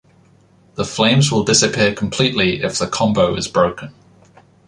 The flames will disappear completely if the combo is broken.